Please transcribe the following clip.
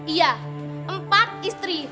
ya empat istri